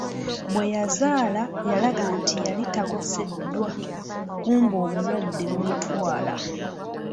Bwe yazaala yalaga nti yali takoseddwa, kumbe obulwadde bumutwala!